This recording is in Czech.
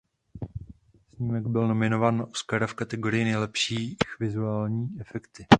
Snímek byl nominován na Oscara v kategorii Nejlepších vizuální efekty.